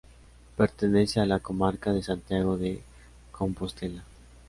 Pertenece a la comarca de Santiago de Compostela.